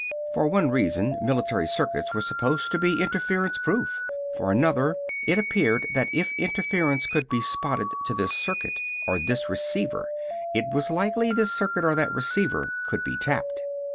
For one reason, military circuits were supposed to be interference proof. For another, it appeared that if interference could be spotted to this circuit or this receiver it was likely this circuit or that receiver could be tapped.